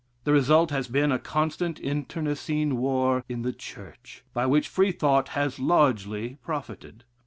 The result has been a constant internecine war in the Church, by which Freethought has largely profited.